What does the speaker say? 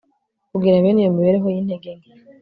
kugira bene iyo mibereho yintege nke